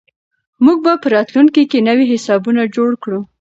موږ به په راتلونکي کې نوي حسابونه جوړ کړو.